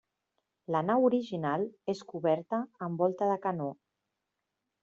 La nau original és coberta amb volta de canó.